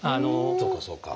そうかそうか。